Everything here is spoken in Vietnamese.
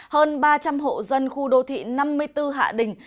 hơn ba trăm linh hộ dân khu đô thị năm mươi bốn hạ đình